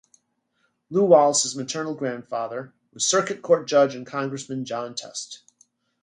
Lew Wallace's maternal grandfather was circuit court judge and Congressman John Test.